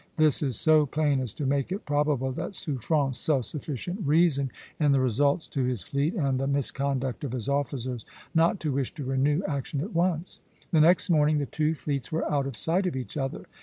This is so plain as to make it probable that Suffren saw sufficient reason, in the results to his fleet and the misconduct of his officers, not to wish to renew action at once. The next morning the two fleets were out of sight of each other.